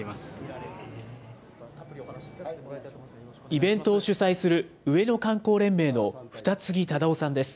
イベントを主催する上野観光連盟の二木忠男さんです。